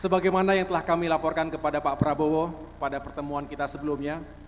sebagaimana yang telah kami laporkan kepada pak prabowo pada pertemuan kita sebelumnya